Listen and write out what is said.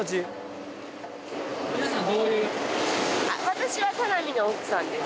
私は田波の奥さんです